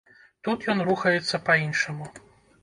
Тут ён рухаецца па іншаму.